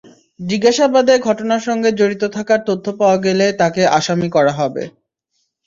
জিজ্ঞাসাবাদে ঘটনার সঙ্গে জড়িত থাকার তথ্য পাওয়া গেলে তাঁকে আসামি করা হবে।